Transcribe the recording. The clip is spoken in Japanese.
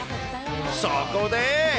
そこで。